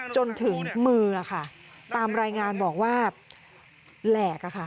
จนถึงมือค่ะตามรายงานบอกว่าแหลกอะค่ะ